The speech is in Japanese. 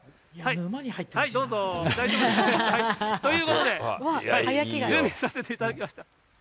どうぞ、大丈夫ですか。ということで、準備させていただきました。